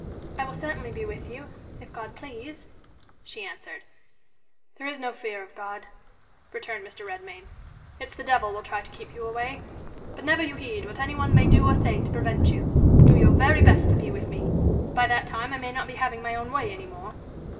"I will certainly be with you, if God please," she answered. "There is no fear of God," returned Mr. Redmain; "it's the devil will try to keep you away. But never you heed what any one may do or say to prevent you. Do your very best to be with me. By that time I may not be having my own way any more.